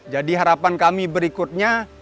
jadi harapan kami berikutnya